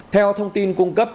theo thông tin cung cấp